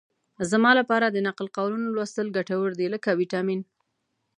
زما لپاره د نقل قولونو لوستل ګټور دي لکه ویټامین.